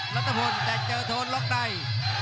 รัฐพลแต่เจอโทนล็อกใน